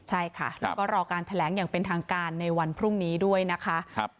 ใช่ค่ะแล้วก็รอการแถลงอย่างเป็นทางการในวันพรุ่งนี้ด้วยนะคะ